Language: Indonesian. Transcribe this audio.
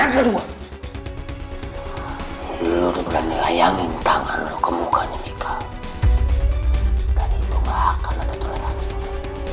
dengan kedua lo coba berani layangin tangan lo ke mukanya mika dan itu gak akan ada tulang hatinya